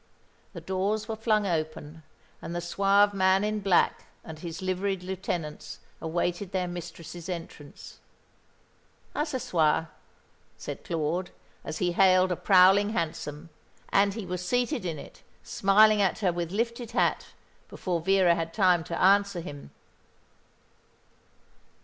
The doors were flung open, and the suave man in black and his liveried lieutenants awaited their mistress's entrance. "A ce soir," said Claude, as he hailed a prowling hansom; and he was seated in it, smiling at her with lifted hat, before Vera had time to answer him.